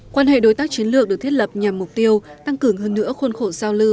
quan hệ đối tác chiến lược được thiết lập nhằm mục tiêu tăng cường hơn nữa khuôn khổ giao lưu